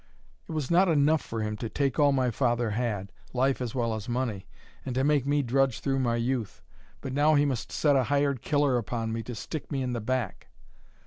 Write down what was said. "It was not enough for him to take all my father had, life as well as money, and to make me drudge through my youth, but now he must set a hired killer upon me to stick me in the back!"